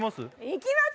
いきます！